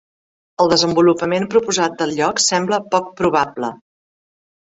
El desenvolupament proposat del lloc sembla poc probable.